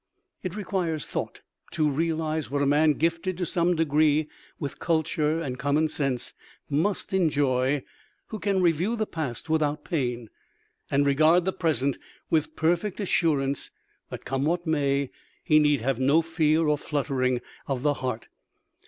It requires thought to realize what a man gifted to some degree with culture and common sense must enjoy who can review the past without pain, and regard the present with perfect assurance that come what may he need have no fear or fluttering of the heart.